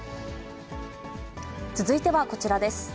続いてはこちらです。